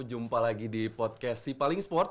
jumpa lagi di podcast sipaling sport